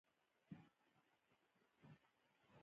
ښځي د قرباني په توګه وړاندي کيدي.